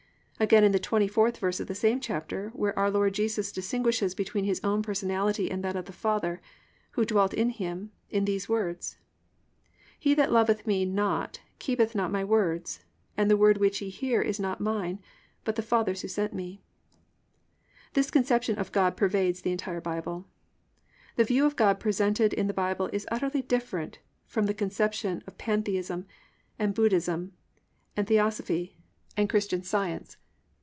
"+ And again in the 24th verse of the same chapter where our Lord Jesus distinguishes between His own personality and that of the Father, who dwelt in Him, in these words: +"He that loveth me not keepeth not my words: and the word which ye hear is not mine, but the Father's who sent me."+ This conception of God pervades the entire Bible. The view of God presented in the Bible is utterly different from the conception of Pantheism and Buddhism and Theosophy and Christian Science.